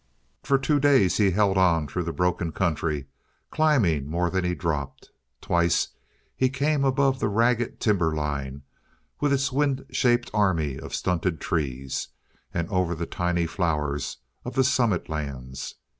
For two days he held on through the broken country, climbing more than he dropped. Twice he came above the ragged timber line, with its wind shaped army of stunted trees, and over the tiny flowers of the summit lands.